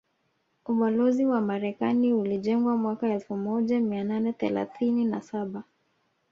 Ubalozi wa Marekani ulijengwa mwaka elfu moja mia nane thelathine na saba